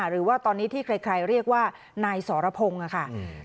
หรือว่าตอนนี้ที่ใครเรียกว่านายสรพงศ์ค่ะ